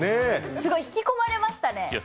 すごい引き込まれましたね。